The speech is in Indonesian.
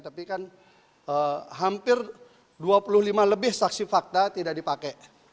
tapi kan hampir dua puluh lima lebih saksi fakta tidak dipakai